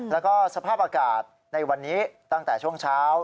แล้วก็สภาพอากาศในวันนี้ตั้งแต่ช่วงเช้า